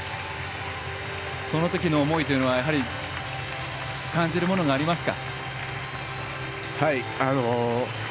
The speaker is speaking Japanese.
そのときの思いというのはやはり感じるものがありますか？